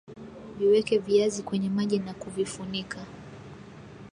Viweke viazi kwenye maji na kuvifunika